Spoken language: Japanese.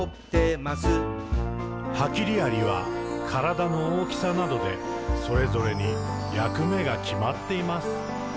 「ハキリアリはからだの大きさなどでそれぞれにやくめがきまっています。」